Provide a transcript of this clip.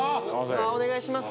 お願いします